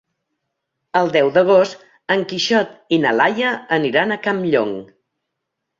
El deu d'agost en Quixot i na Laia aniran a Campllong.